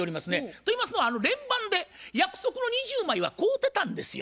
と言いますのは連番で約束の２０枚は買うてたんですよ。